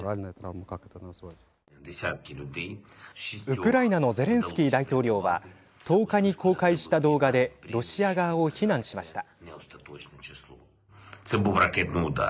ウクライナのゼレンスキー大統領は１０日に公開した動画でロシア側を非難しました。